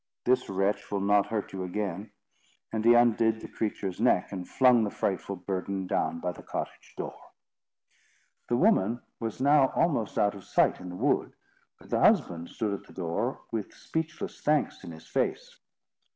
This wretch will not hurt you again." And he undid the creature's neck, and flung the frightful burden down by the cottage door. The woman was now almost out of sight in the wood; but the husband stood at the door, with speechless thanks in his face.